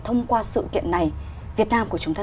thông qua sự kiện này việt nam của chúng ta